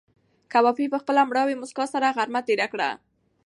کبابي په خپله مړاوې موسکا سره غرمه تېره کړه.